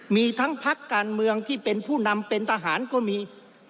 มีทั้งพักการเมืองที่เป็นผู้นำเป็นทหารก็มี